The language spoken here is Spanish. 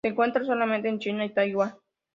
Se encuentra solamente en China y Taiwan.